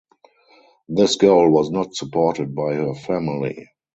This goal was not supported by her family.